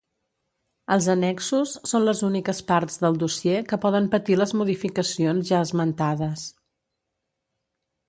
Els annexos són les úniques parts del dossier que poden patir les modificacions ja esmentades.